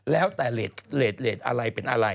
แล้วแต่เลสอะไรเป็นอะไร